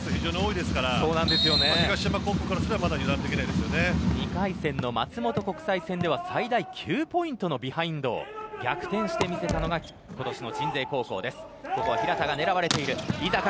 東山高校からしても２回戦の松本国際戦では最大９ポイントのビハインド逆転してみせたのが今年の鎮西高校です。